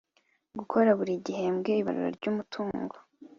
Gukora buri gihembwe ibarura ry umutungo